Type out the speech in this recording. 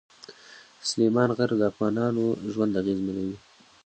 سلیمان غر د افغانانو ژوند اغېزمنوي.